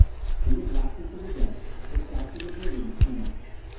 ] Through the blackness of the deck, the shouts of the brigands came up.